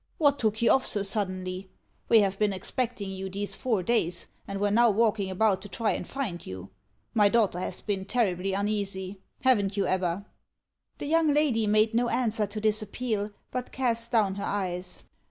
What took you off so suddenly? We have been expecting you these four days, and were now walking about to try and find you. My daughter has been terribly uneasy. Haven't you, Ebba?" The young lady made no answer to this appeal, but cast down her eyes.